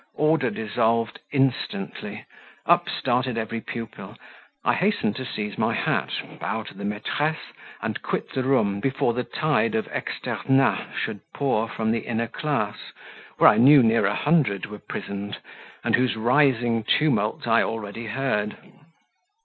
Order dissolved instantly; up started every pupil, I hastened to seize my hat, bow to the maitresse, and quit the room before the tide of externats should pour from the inner class, where I knew near a hundred were prisoned, and whose rising tumult I already heard.